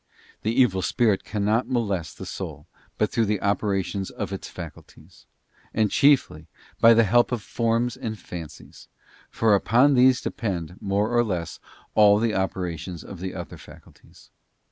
The evil spirit cannot molest the soul but through the operations of its faculties, and chiefly by the help of forms and fancies: for upon these depend, more or less, all the operations of the other faculties.